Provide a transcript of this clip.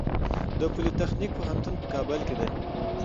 د پولي تخنیک پوهنتون په کابل کې دی